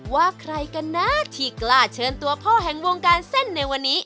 ว่าใครกันนะที่กล้าเชิญตัวพ่อแห่งวงการเส้นในวันนี้